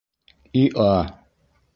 И-а!